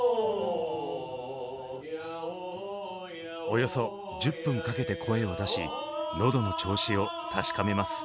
およそ１０分かけて声を出し喉の調子を確かめます。